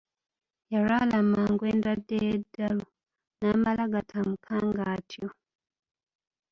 Yalwala mangu endwadde ey'eddalu, n'amala gataamuukanga atyo.